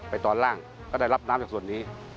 ตอนล่างก็ได้รับน้ำจากส่วนนี้